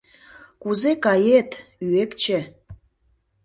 Кузе кает, Ӱэкче?